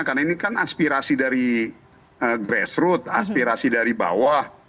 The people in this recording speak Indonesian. karena ini kan aspirasi dari grassroots aspirasi dari bawah